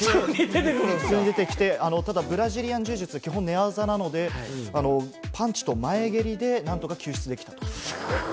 ただ、ブラジリアン柔術は基本、寝技なのでパンチと前蹴りでなんとか救出できたと。